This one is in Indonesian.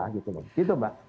gitu lho gitu mbak